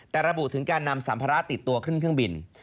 แต่ระบุถึงการนำสัมภาระติดตัวขึ้นเครื่องบิน